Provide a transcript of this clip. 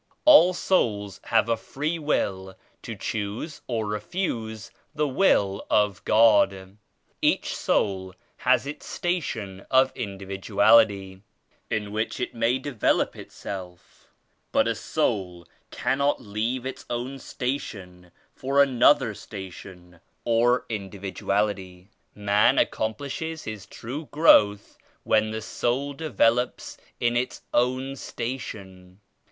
All souls have a free will to choose or refuse the Will of God. Each soul has its station of individuality in which it may develop itself, but a soul cannot leaves its own station for another station or indi viduality. Man accomplishes his true growth when the soul develops in its own station.